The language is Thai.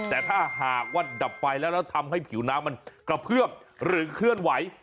แต่ถ้าหากว่าดับไฟแล้วแล้วทำให้ผิวน้ำมันกระเพื่อมหรือเคลื่อนไหว